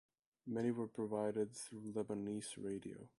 Many were provided through Lebanese radio.